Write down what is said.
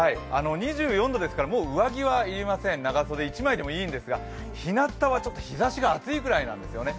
２４度ですから、上着はいりません長袖一枚でもいいんですが、日向は日差しが暑いぐらいなんですよね。